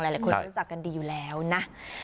หลายคนรู้จักกันดีอยู่แล้วนะ